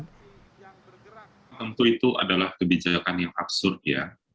tentu itu adalah kebijakan yang absurd ya